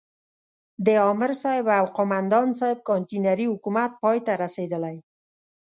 د امرصاحب او قوماندان صاحب کانتينري حکومت پای ته رسېدلی.